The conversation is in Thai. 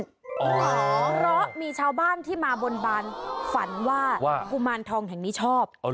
เพราะมีชาวบ้านที่มาบนบานฝันว่ากุมารทองแห่งนี้ชอบ